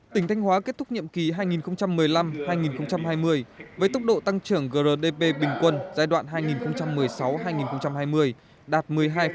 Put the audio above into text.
tỉnh thanh hóa kết thúc nhiệm kỳ hai nghìn một mươi năm hai nghìn hai mươi với tốc độ tăng trưởng grdp bình quân giai đoạn hai nghìn một mươi sáu hai nghìn hai mươi đạt một mươi hai năm